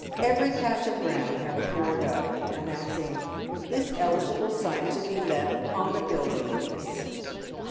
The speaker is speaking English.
Every patch of ground had a board up, announcing " This eligible site to be let on a building lease."